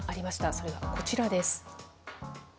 それはこちらです。